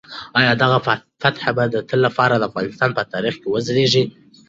آیا دغه فاتح به د تل لپاره د افغانستان په تاریخ کې وځلیږي؟